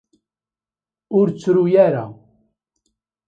Ur ttruy ara.